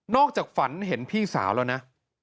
จากฝันเห็นพี่สาวแล้วนะ